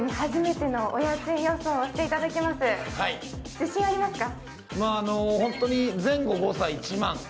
自信ありますか？